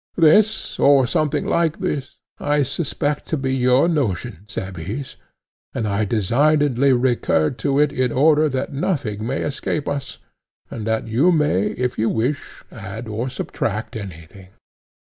This, or something like this, I suspect to be your notion, Cebes; and I designedly recur to it in order that nothing may escape us, and that you may, if you wish, add or subtract anything.